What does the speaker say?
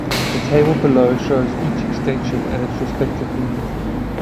The table below shows each extension and its respective meaning.